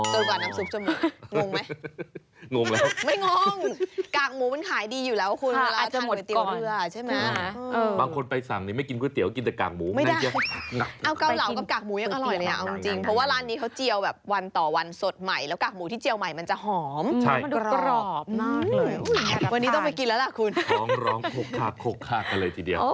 ใส่เกลากับกากหมูยังอร่อยไหมค่ะเอาจริงเพราะว่าร้านนี้เขาเจียวแบบวันต่อวันสดใหม่แล้วกากหมูที่เจียวใหม่จะหอมกรอบมากวันนี้ต้องไปกินแล้วล่ะคุณร้องร้องคกฆ่าคกฆ่ากันเลยทีเดียว